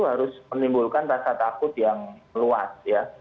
harus menimbulkan rasa takut yang luas